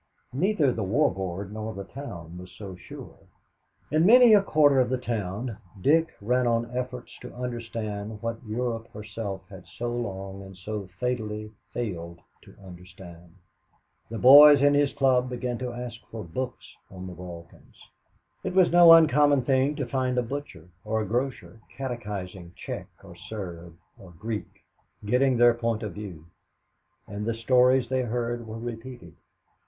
Neither the War Board nor the town was so sure. In many a quarter of the town Dick ran on efforts to understand what Europe herself has so long and so fatally failed to understand. The boys in his club began to ask for books on the Balkans. It was no uncommon thing to find the butcher or the grocer catechizing Czech or Serb or Greek, getting their point of view. And the stories they heard were repeated.